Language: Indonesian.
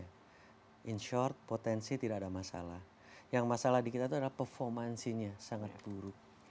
karena in short potensi tidak ada masalah yang masalah di kita itu adalah performansinya sangat buruk